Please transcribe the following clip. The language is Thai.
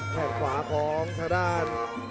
ขาวของทางด้าน